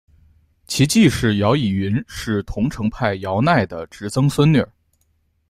其继室姚倚云是桐城派姚鼐的侄曾孙女。